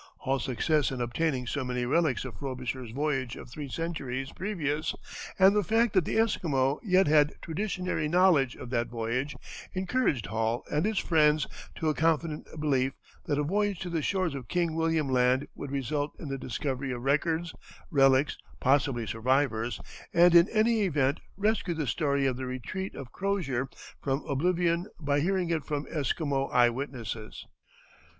Hall's success in obtaining so many relics of Frobisher's voyage of three centuries previous, and the fact that the Esquimaux yet had traditionary knowledge of that voyage, encouraged Hall and his friends to a confident belief that a voyage to the shores of King William Land would result in the discovery of records, relics, possibly survivors, and in any event rescue the story of the retreat of Crozier from oblivion by hearing it from Esquimau eye witnesses.